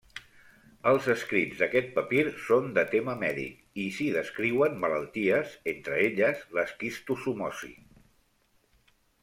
Els escrits d'aquest papir són de tema mèdic i s'hi descriuen malalties, entre elles l'esquistosomosi.